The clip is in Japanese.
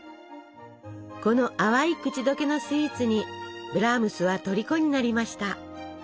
この淡い口溶けのスイーツにブラームスはとりこになりました。